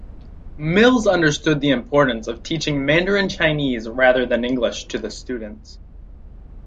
Mills understood the importance of teaching Mandarin Chinese rather than English to the students.